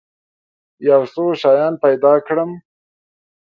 یو څو شیان پیدا کړم.